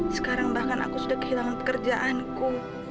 sekarang bahkan aku sudah kehilangan pekerjaanku